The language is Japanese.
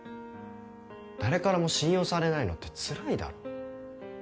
誰からも信用されないのってつらいだろ。